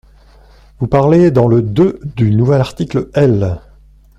Vous parlez, dans le deux du nouvel article L.